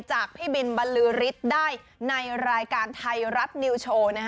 พี่บินบรรลือฤทธิ์ได้ในรายการไทยรัฐนิวโชว์